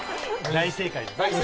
大正解ですか。